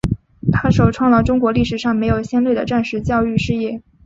它首创了中国历史上没有先例的战时教育事业。